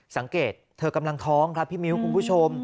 สังเกตเธอกำลังท้องครับพี่มิ้วคุณผู้ชม